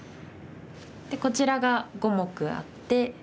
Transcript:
こちらが５目あって。